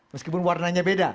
meskipun warnanya beda